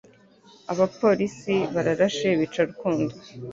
Abapolisi bararashe bica Rukundo,